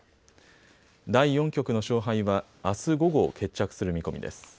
第４局の勝敗はあす午後、決着する見込みです。